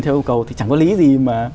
theo yêu cầu thì chẳng có lý gì mà